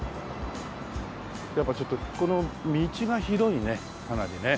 やっぱちょっとこの道が広いねかなりね。